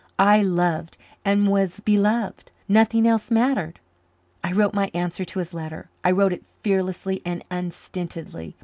I loved and was beloved. Nothing else mattered. I wrote my answer to his letter. I wrote it fearlessly and unstintedly.